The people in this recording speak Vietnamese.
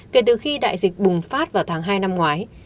kể từ khi đại dịch bùng phát vào tháng hai năm ngoái